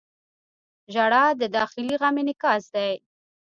• ژړا د داخلي غم انعکاس دی.